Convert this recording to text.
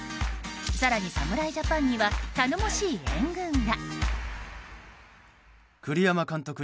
更に、侍ジャパンには頼もしい援軍が。